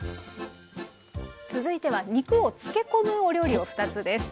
続いては肉を漬け込むお料理を２つです。